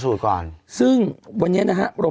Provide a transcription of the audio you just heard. คือที่ทุกคนรู้คือเขาเป็นไทรอยด์ใช่ไหมคะ